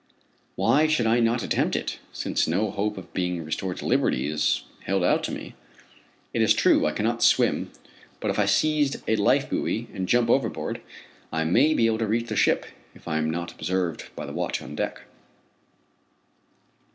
Why should I not attempt it, since no hope of being restored to liberty is held out to me? It is true I cannot swim, but if I seize a life buoy and jump overboard, I may be able to reach the ship, if I am not observed by the watch on deck.